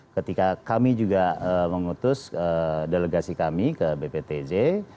ketika kami juga mengutus delegasi kami ke bptj